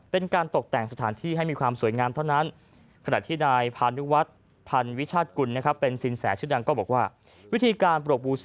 เป็นการตกแต่งสถานที่ให้มีความสวยงามเท่านั้นขณะที่ในพาณุวัฒน์พันวิชาติกุลเป็นสินแสชื่อดังก็บอกว่า